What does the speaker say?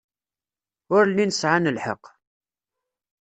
Ur llin sɛan lḥeqq.